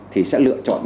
thì sẽ lựa chọn